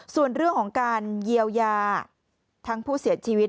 ส่วนเรื่องของการเยียวยาทั้งผู้เสียชีวิต